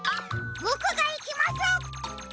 ぼくがいきます。